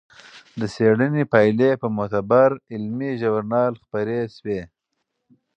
د څېړنې پایلې په معتبر علمي ژورنال خپرې شوې.